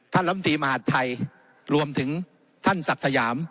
ท่านรัฐมนตรีมหัฐไทยรวมถึงท่านศักดิ์สะยาม